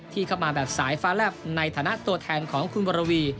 ที่เข้ามาแบบสายฟ้าแลบในฐานะตัวแทนของคุณวรวี